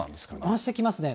増してきますね。